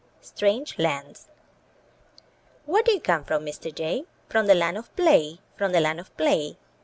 STRANGE LANDS Where do you come from, Mr. Jay? "From the land of Play, from the land of Play."